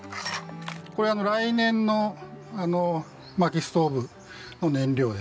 これは来年のまきストーブの燃料で。